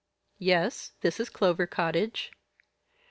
"Yes, this is Clover Cottage."